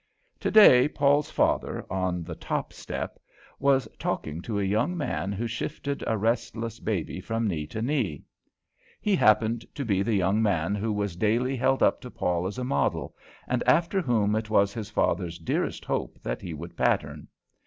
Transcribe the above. Today Paul's father, on the top step, was talking to a young man who shifted a restless baby from knee to knee. He happened to be the young man who was daily held up to Paul as a model, and after whom it was his father's dearest hope that he would pattern.